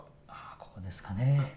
ここですかね。